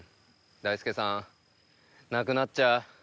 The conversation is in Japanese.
大輔さんなくなっちゃう。